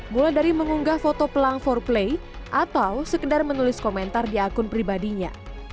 mulai dari mengunggah foto pelang empat play atau sekedar menulis komentar di akun pribadinya